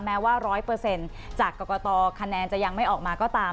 แม้ว่า๑๐๐จากกรกตคะแนนจะยังไม่ออกมาก็ตาม